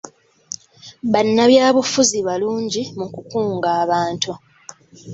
Bannabyabufuzi balungi mu kukunga abantu.